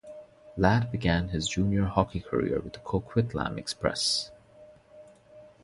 Ladd began his junior hockey career with the Coquitlam Express.